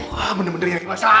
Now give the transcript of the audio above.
wah bener bener nyakit mas chandra